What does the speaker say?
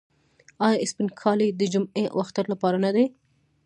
آیا سپین کالي د جمعې او اختر لپاره نه دي؟